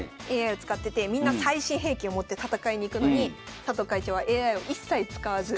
ＡＩを使っててみんな最新兵器を持って戦いに行くのに佐藤会長はＡＩを一切使わず。